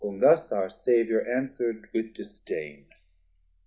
Whom thus our Saviour answer'd with disdain.